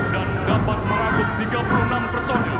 dan dapat merangkut tiga puluh enam personil